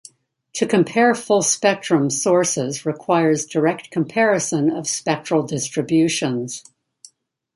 To compare "full-spectrum" sources requires direct comparison of spectral distributions.